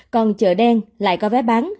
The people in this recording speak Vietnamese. còn chợ đen lại có vé bán